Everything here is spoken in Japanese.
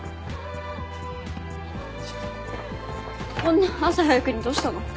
こんな朝早くにどうしたの？